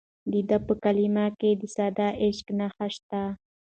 د ده په کلام کې د ساده عشق نښې شته.